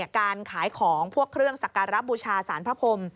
การขายของพวกเครื่องสักการะบูชาสารพระพรม